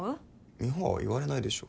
美帆は言われないでしょ。